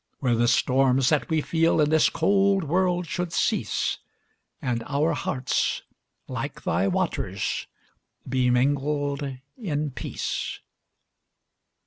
Where the storms that we feel in this cold world should cease, And our hearts, like thy waters, be mingled in peace.